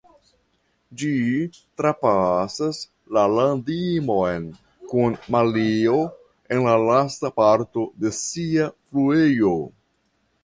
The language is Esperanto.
Ĝi trapasas la landimon kun Malio en la lasta parto de sia fluejo.